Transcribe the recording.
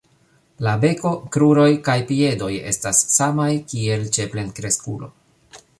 La beko, kruroj kaj piedoj estas samaj kiel ĉe plenkreskulo.